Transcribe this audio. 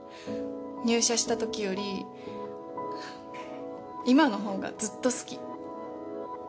入社したときより今のほうがずっと好き。